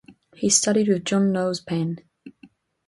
He studied with John Knowles Paine.